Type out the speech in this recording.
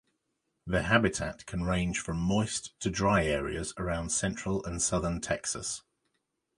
Their habitat can range from moist, to dry areas around central and southern Texas.